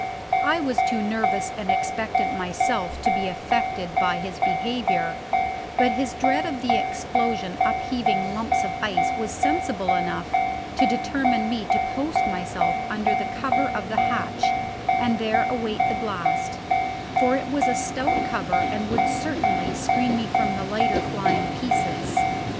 I was too nervous and expectant myself to be affected by his behaviour; but his dread of the explosion upheaving lumps of ice was sensible enough to determine me to post myself under the cover of the hatch and there await the blast, for it was a stout cover and would certainly screen me from the lighter flying pieces.